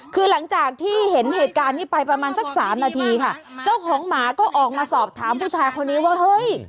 คือหลังจากที่เห็นเหตุการณ์นี้ไปประมาณสักสามนาทีค่ะเจ้าของหมาก็ออกมาสอบถามผู้ชายคนนี้ว่าเฮ้ย